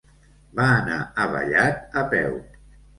Va anar a Vallat a peu.